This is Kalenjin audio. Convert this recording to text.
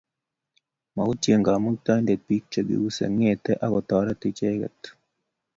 Mautie Kamuktaindet bik che kiuse, ngete akotorit icheket